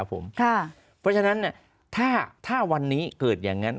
เพราะฉะนั้นถ้าวันนี้เกิดอย่างนั้น